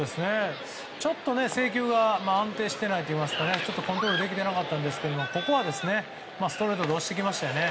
ちょっと制球が安定していないといいますかコントロールができてなかったんですけどここはストレートで押してきましたね。